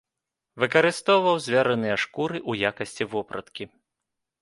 Выкарыстоўваў звярыныя шкуры ў якасці вопраткі.